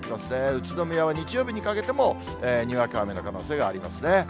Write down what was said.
宇都宮は日曜日にかけてもにわか雨の可能性がありますね。